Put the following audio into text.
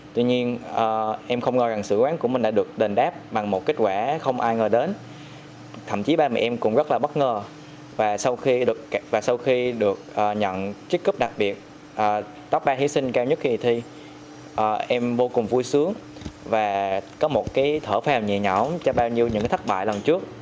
trước khi thi em vô cùng vui sướng và có một thở phèo nhẹ nhõm cho bao nhiêu thất bại lần trước